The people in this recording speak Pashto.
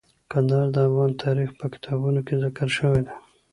کندهار د افغان تاریخ په کتابونو کې ذکر شوی دی.